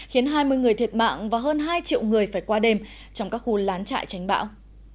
khiến hai mươi người thiệt mạng và hơn hai triệu người phải qua đêm trong các khu lán trại tránh bão